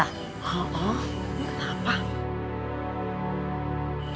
oh oh kenapa